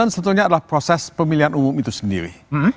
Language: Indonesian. yang saya concern adalah proses pemilihan umum itu sendiri